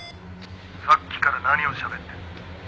「さっきから何をしゃべってる？」